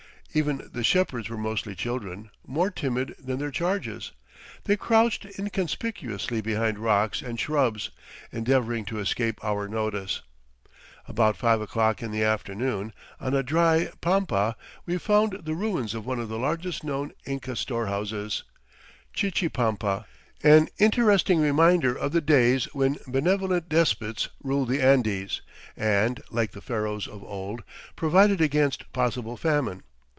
Even the shepherds were mostly children, more timid than their charges. They crouched inconspicuously behind rocks and shrubs, endeavoring to escape our notice. About five o'clock in the afternoon, on a dry pampa, we found the ruins of one of the largest known Inca storehouses, Chichipampa, an interesting reminder of the days when benevolent despots ruled the Andes and, like the Pharaohs of old, provided against possible famine.